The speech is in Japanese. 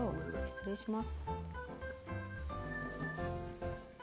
失礼します。